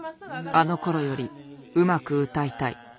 あのころよりうまく歌いたい。